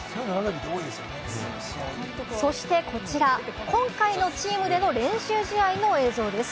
そしてこちら、今回のチームでの練習試合の映像です。